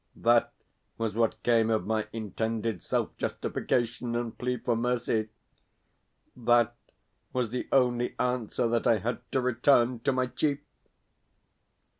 THAT was what came of my intended self justification and plea for mercy! THAT was the only answer that I had to return to my chief!